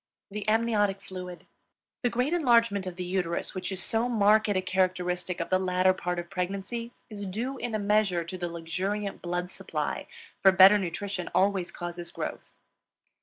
THE AMNIOTIC FLUID. The great enlargement of the uterus which is so marked a characteristic of the latter part of pregnancy is due in a measure to the luxuriant blood supply, for better nutrition always causes growth.